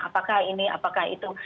apakah ini apakah itu